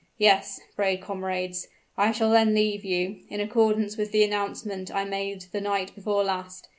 Yes, brave comrades, I shall then leave you, in accordance with the announcement I made the night before last.